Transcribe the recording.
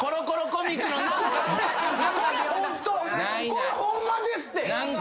これホンマですって！